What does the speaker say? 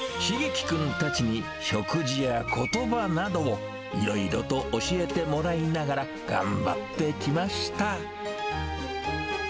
蒼基君たちに食事やことばなどをいろいろと教えてもらいながら、頑張ってきました。